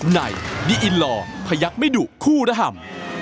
ในดิอินลอร์พยักษ์ไม่ดุคู่ระห่ำ